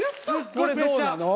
これどうなの？